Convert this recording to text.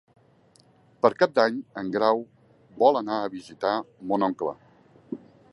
Per Cap d'Any en Grau vol anar a visitar mon oncle.